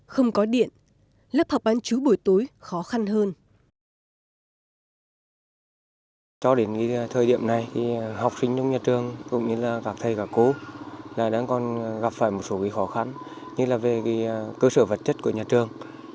không có điện lớp học bán chú buổi tối khó khăn hơn